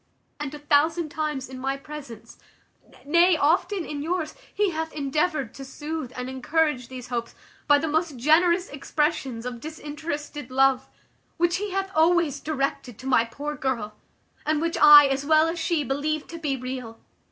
And a thousand times in my presence, nay, often in yours, he hath endeavoured to soothe and encourage these hopes by the most generous expressions of disinterested love, which he hath always directed to my poor girl, and which I, as well as she, believed to be real.